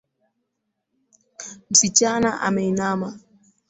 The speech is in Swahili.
Msichana ameinama